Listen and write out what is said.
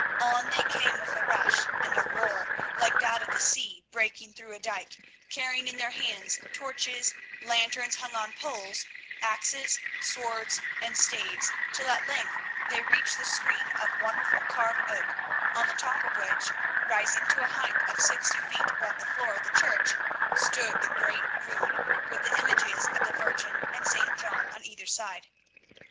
On they came with a rush and a roar, like that of the sea breaking through a dyke, carrying in their hands torches, lanterns hung on poles, axes, swords and staves, till at length they reached the screen of wonderful carved oak, on the top of which, rising to a height of sixty feet above the floor of the church, stood the great Rood, with the images of the Virgin and St. John on either side.